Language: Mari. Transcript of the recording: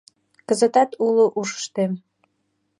Кызытат уло ушыштем